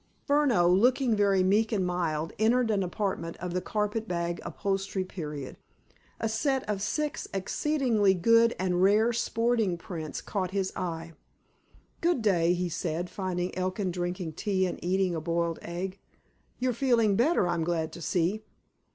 Furneaux, looking very meek and mild, entered an apartment of the carpet bag upholstery period. A set of six exceedingly good and rare sporting prints caught his eye. "Good day," he said, finding Elkin drinking tea, and eating a boiled egg. "You're feeling better, I'm glad to see."